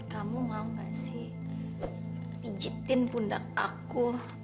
kamu mau ga sih pijetin pundak aku